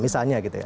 misalnya gitu ya